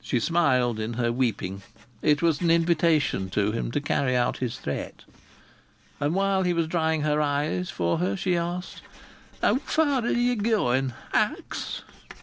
She smiled in her weeping. It was an invitation to him to carry out his threat. And while he was drying her eyes for her, she asked: "How far are ye going? Axe?"